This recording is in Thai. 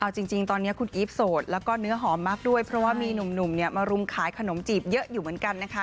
เอาจริงตอนนี้คุณอีฟโสดแล้วก็เนื้อหอมมากด้วยเพราะว่ามีหนุ่มมารุมขายขนมจีบเยอะอยู่เหมือนกันนะคะ